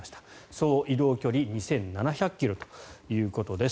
総移動距離２７００ｋｍということです。